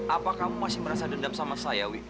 apa kamu masih merasa dendam sama saya wi